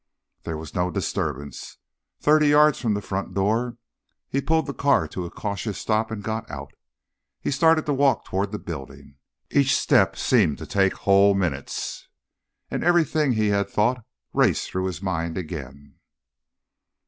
There was no disturbance. Thirty yards from the front door he pulled the car to a cautious stop and got out. He started to walk toward the building. Each step seemed to take whole minutes, and everything he had thought raced through his mind again.